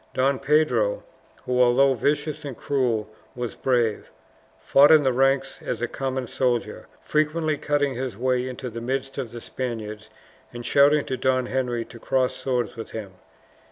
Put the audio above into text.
Don Pedro who, although vicious and cruel, was brave fought in the ranks as a common soldier, frequently cutting his way into the midst of the Spaniards, and shouting to Don Henry to cross swords with him.